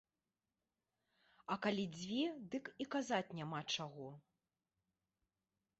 А калі дзве, дык і казаць няма чаго.